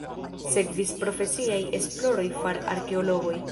Sekvis profesiaj esploroj far arkeologoj.